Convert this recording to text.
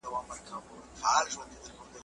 نه به بیا هغه ارغوان راسي `